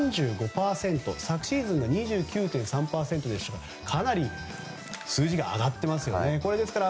昨シーズンが２９．３％ですからかなり数字が上がっていますよね。